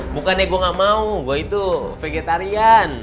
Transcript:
bukannya gue gak mau gue itu vegetarian